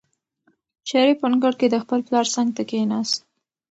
شریف په انګړ کې د خپل پلار څنګ ته کېناست.